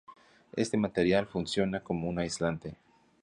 Este material funciona como un aislante.